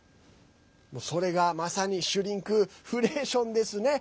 それがまさにシュリンクフレーションですね。